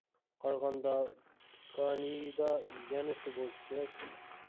قارىغاندا كانىيىدا يەنە سۇ بولسا كېرەك.